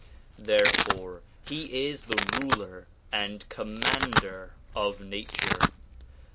Therefore he is the ruler and commander of nature.